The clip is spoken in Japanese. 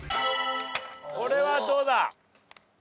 これはどうだ？